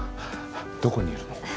どこにいるの？